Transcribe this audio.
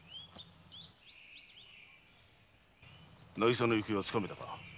渚の行方はつかめたか？